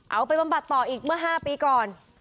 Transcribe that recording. บำบัดต่ออีกเมื่อ๕ปีก่อน